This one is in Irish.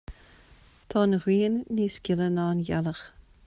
Tá an ghrian níos gile ná an ghealach,